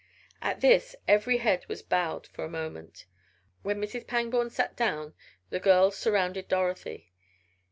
At this every head was bowed for a moment. When Mrs. Pangborn sat down, the girls surrounded Dorothy.